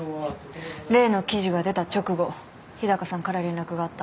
例の記事が出た直後日高さんから連絡があった。